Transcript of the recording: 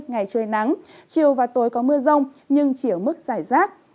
ngày trời nắng chiều và tối có mưa rông nhưng chỉ ở mức giải rác